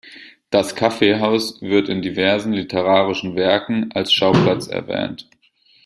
Das Kaffeehaus wird in diversen literarischen Werken als Schauplatz erwähnt.